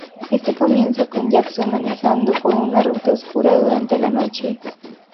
Éste comienza con Jackson manejando por una ruta oscura durante la noche.